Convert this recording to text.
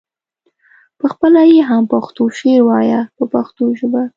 پخپله یې هم پښتو شعر وایه په پښتو ژبه.